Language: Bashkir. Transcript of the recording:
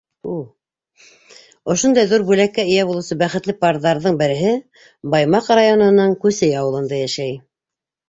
Ошондай ҙур бүләккә эйә булыусы бәхетле парҙарҙың береһе Баймаҡ районының Күсей ауылында йәшәй.